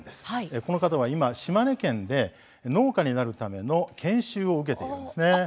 この方は今、島根県で農家になるための研修を受けています。